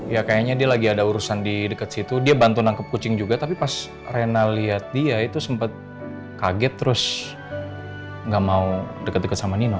ya kayaknya dia lagi ada urusan di dekat situ dia bantu nangkep kucing juga tapi pas rena lihat dia itu sempat kaget terus gak mau deket deket sama nino